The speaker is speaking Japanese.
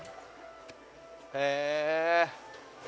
へえ！